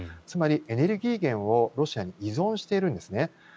つまりエネルギー源をロシアに依存しているんですね。